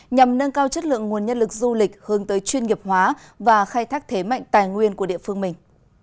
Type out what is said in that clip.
nhằm nâng cao chất lượng nguồn nhân lực du lịch hướng tới chuyên nghiệp hóa và khai thác thế mạnh tài nguyên của địa phương mình